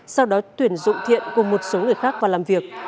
sau đó tuyển dụng thiện cùng một số người khác vào làm việc